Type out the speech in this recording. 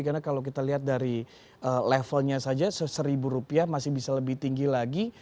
karena kalau kita lihat dari levelnya saja seribu rupiah masih bisa lebih tinggi lagi